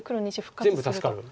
全部助かる。